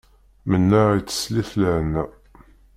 Mennaɣ i teslit lehna.